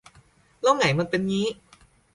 แล้วไหงมันเป็นงี้